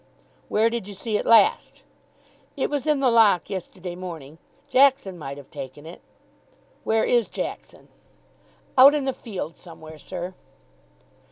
"Where did you see it last?" "It was in the lock yesterday morning. Jackson might have taken it." "Where is Jackson?" "Out in the field somewhere, sir."